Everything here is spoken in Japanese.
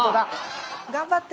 頑張って！